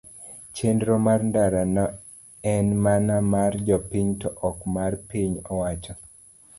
chenro mar ndara no en mana mar jopiny to ok mar piny owacho.